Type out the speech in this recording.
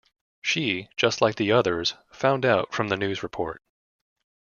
She, just like the others, found out from the news report.